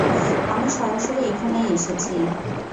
আমি সরাসরি এখানেই এসেছি।